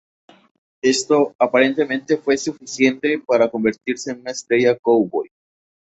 Esto, aparentemente, fue suficiente para convertirle en una estrella cowboy.